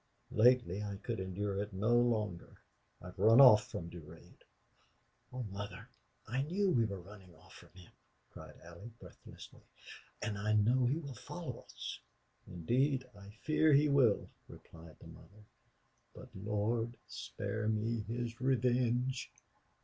Lately I could endure it no longer. I've run off from Durade." "Oh, mother, I knew we were running off from him!" cried Allie, breathlessly. "And I know he will follow us." "Indeed, I fear he will," replied the mother. "But Lord spare me his revenge!"